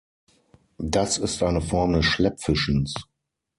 Das ist eine Form des Schleppfischens.